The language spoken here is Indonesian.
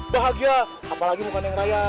bahagia apalagi bukan yang raya